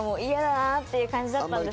っていう感じだったんですけど。